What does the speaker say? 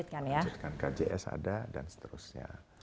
kjs ada dan seterusnya